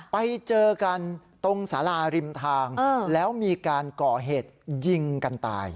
ไปเจอกันตรงสาราริมทางแล้วมีการก่อเหตุยิงกันตาย